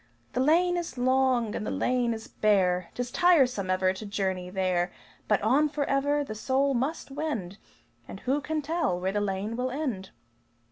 The lane is long, and the lane is bare, 'Tis tiresome ever to journey there; But on forever the soul must wend And who can tell where the lane will end?"